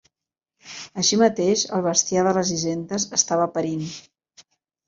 Així mateix el bestiar de les hisendes estava perint.